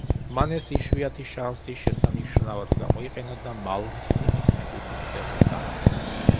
მან ეს იშვიათი შანსი შესანიშნავად გამოიყენა და მალმსტინის ჯგუფის წევრი გახდა.